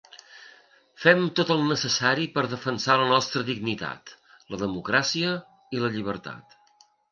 Fem tot el necessari per defensar la nostra dignitat, la democràcia i la llibertat.